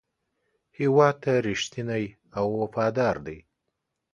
هېواد ته رښتینی او وفادار دی.